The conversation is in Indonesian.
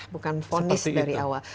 bukan fonis dari awal